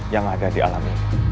yang ada di alam